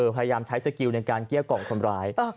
พยายามใช้สกิลในการเกลี้ยกล่อมคนร้าย